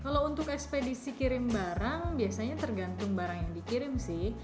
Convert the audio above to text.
kalau untuk ekspedisi kirim barang biasanya tergantung barang yang dikirim sih